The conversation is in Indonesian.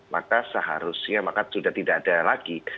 maka seharusnya maka sudah tidak ada lagi